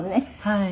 はい。